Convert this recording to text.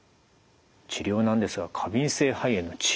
治療なんですが過敏性肺炎の治療